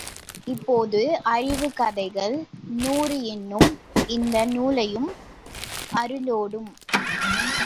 இப்போது, அறிவுக் கதைகள் நூறு என்னும் இந்த நூலையும், அருளோடும்.